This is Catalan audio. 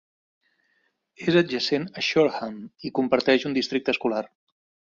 És adjacent a Shoreham i comparteix un districte escolar.